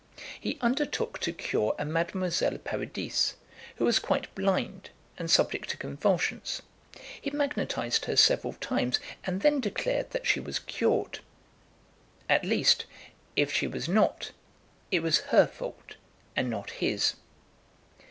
He undertook to cure a Mademoiselle Paradis, who was quite blind, and subject to convulsions. He magnetised her several times, and then declared that she was cured; at least, if she was not, it was her fault and not his.